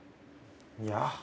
いや。